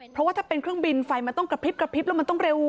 เพราะว่าถ้าเป็นเครื่องบินไฟมันต้องกระพริบกระพริบแล้วมันต้องเร็ว